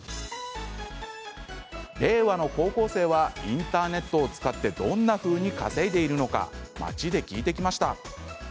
令和の高校生はインターネットを使ってどんなふうに稼いでいるのか街で聞いてきました。